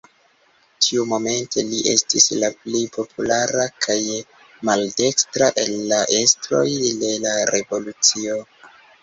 Tiumomente li estis la plej populara kaj maldekstra el la estroj de la revolucio.